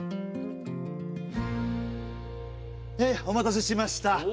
お待たせしました。